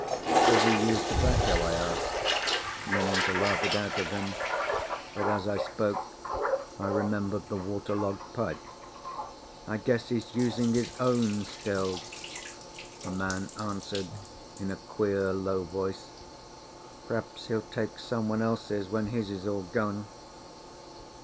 "Does he use tobacco?" I asked, meaning to laugh it out of him, but as I spoke, I remembered the water logged pipe. "I guess he's using his own still," the man answered, in a queer, low voice. "Perhaps he'll take some one else's when his is all gone."